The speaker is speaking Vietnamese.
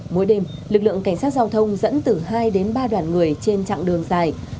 mỗi đêm lực lượng cảnh sát giao thông dẫn từ hai đoàn người đến ba đoàn người